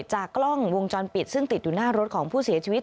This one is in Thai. จากกล้องวงจรปิดซึ่งติดอยู่หน้ารถของผู้เสียชีวิต